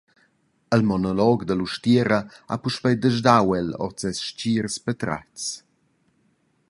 Il monolog dall’ustiera ha puspei desdau el ord ses stgirs patratgs.